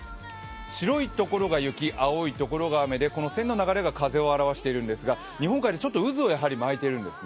白いところが雪、青いところが雨でこの線の流れが風を表しているんですが日本海でうずを巻いているんですね。